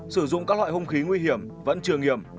sử dụng các loại hung khí nguy hiểm vẫn trường nghiệm